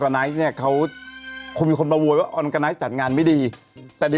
น่ากลัวมากเลย